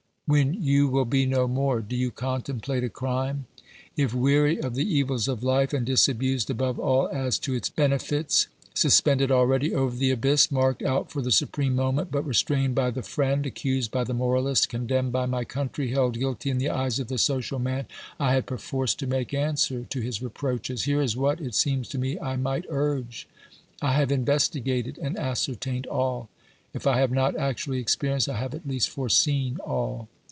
When you will be no more !... Do you contemplate a crime ? If, weary of the evils of life, and disabused above all as to its benefits, suspended already over the abyss, marked out for the supreme moment, but restrained by the friend, accused by the moralist, condemned by my country, held guilty in the eyes of the social man, I had perforce to make answer to his reproaches, here is what, it seems to me, I might urge — I have investigated and ascertained all; if I have not actually experienced, I have at least foreseen all.